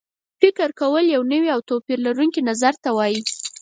فکر کول یو نوي او توپیر لرونکي نظر ته وایي.